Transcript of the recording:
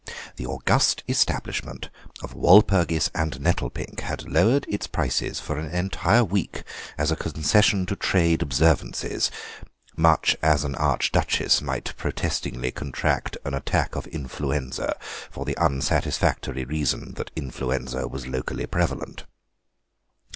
The august establishment of Walpurgis and Nettlepink had lowered its prices for an entire week as a concession to trade observances, much as an Arch duchess might protestingly contract an attack of influenza for the unsatisfactory reason that influenza was locally prevalent.